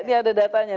ini ada datanya